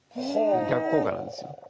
逆効果なんですよ。